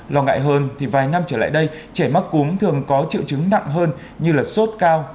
lo ngại hơn thì vài năm trở lại đây trẻ mắc cúm thường có triệu chứng nặng hơn như sốt cao